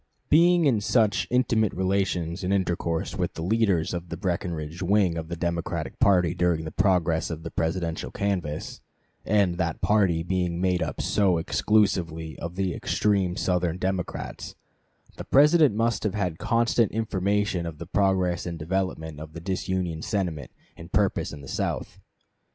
] Being in such intimate relations and intercourse with the leaders of the Breckinridge wing of the Democratic party during the progress of the Presidential canvass, and that party being made up so exclusively of the extreme Southern Democrats, the President must have had constant information of the progress and development of the disunion sentiment and purpose in the South.